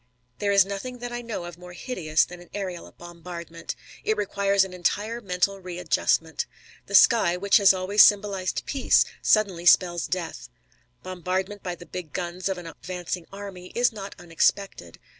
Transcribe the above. There is nothing that I know of more hideous than an aërial bombardment. It requires an entire mental readjustment. The sky, which has always symbolised peace, suddenly spells death. Bombardment by the big guns of an advancing army is not unexpected.